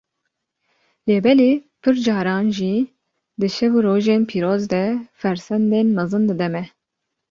lêbelê pir caran jî di şev û rojên pîroz de fersendên mezin dide me.